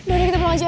udah kita pulang aja